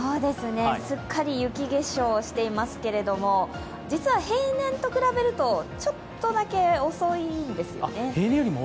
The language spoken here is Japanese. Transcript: すっかり雪化粧していますけれども、実は平年と比べるとちょっとだけ遅いんですよね。